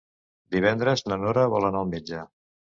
Divendres na Nora vol anar al metge.